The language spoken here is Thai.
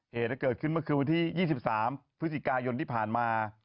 เหตุเกิดขึ้นเมื่อคืนวันที่๒๓พฤศจิกายนที่ผ่านมา